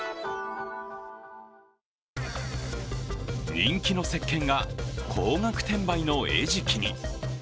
人気のせっけんが高額転売の餌食に。